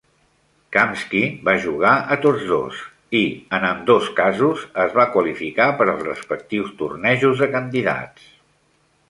Kamsky va jugar a tots dos, i en ambdós casos es va qualificar per als respectius tornejos de candidats.